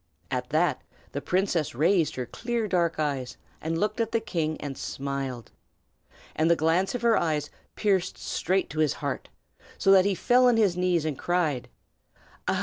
At that the princess raised her clear dark eyes, and looked at the king and smiled; and the glance of her eyes pierced straight to his heart, so that he fell on his knees and cried: "Ah!